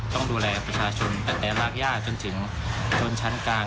ต้องดูแลประชาชนตั้งแต่รากย่าจนถึงชนชั้นกลาง